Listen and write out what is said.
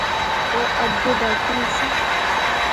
او اگے بیٹھی نی سی